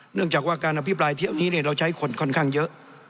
เนื่องจากว่าการอภิปรายเที่ยวนี้เราใช้คนค่อนข้างเยอะ